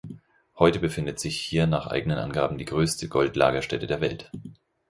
Heute befindet sich hier nach eigenen Angaben die größte Gold-Lagerstätte der Welt.